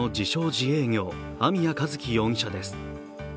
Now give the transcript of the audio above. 自営業網谷一希容疑者です。